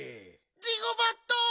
ジゴバット！？